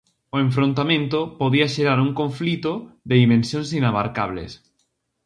O enfrontamento podía xerar un conflito de dimensións inabarcables.